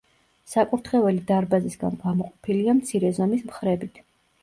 საკურთხეველი დარბაზისგან გამოყოფილია მცირე ზომის მხრებით.